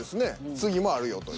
次もあるよという。